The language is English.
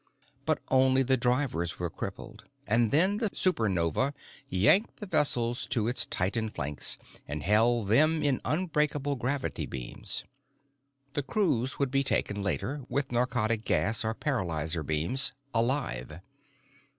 But only the drivers were crippled, and then the Supernova yanked the vessels to its titan flanks and held them in unbreakable gravity beams. The crews would be taken later, with narcotic gas or paralyzer beams alive.